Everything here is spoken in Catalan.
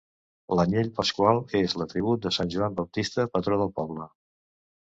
L'anyell pasqual és l'atribut de sant Joan Baptista, patró del poble.